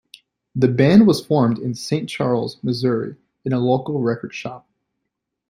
The band was formed in Saint Charles, Missouri in a local record shop.